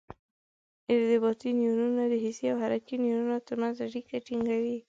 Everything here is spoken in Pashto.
ارتباطي نیورونونه د حسي او حرکي نیورونونو تر منځ اړیکه ټینګوي.